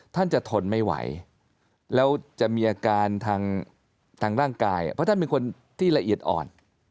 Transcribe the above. ท่านจะทนไม่ไหวแล้วจะมีอาการทางร่างกายเพราะท่านเป็นคนที่ละเอียดอ่อน